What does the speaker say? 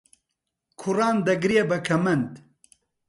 کوڕان دەگرێ بە کەمەند